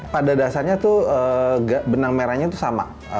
pada dasarnya tuh benang merahnya itu sama